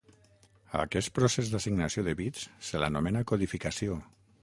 A aquest procés d'assignació de bits se l'anomena codificació.